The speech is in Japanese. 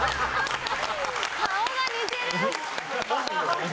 顔が似てる。